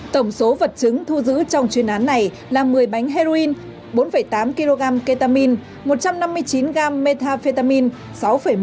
tổng số vật chứng thu giữ trong chuyên án này là một mươi bánh heroin bốn tám kg ketamine một trăm năm mươi chín g methamphetamine